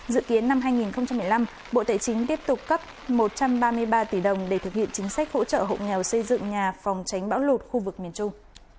dự kiến năm hai nghìn một mươi năm bộ tệ chính tiếp tục cấp một trăm ba mươi ba tỷ đồng để thực hiện chính sách hỗ trợ hộ nghèo xây dựng nhà phòng tránh bão lụt khu vực miền trung